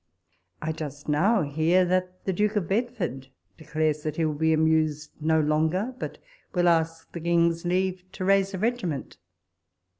I just now hear that the Duke of Bedford declares that he will be amused no longer, but will ask the King's leave to raise a regiment.